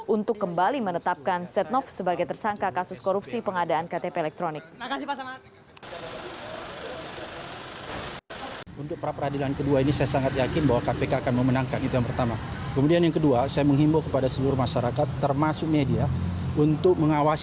untuk kembali menetapkan setnov sebagai tersangka kasus korupsi pengadaan ktp elektronik